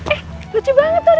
eh lucu banget tuh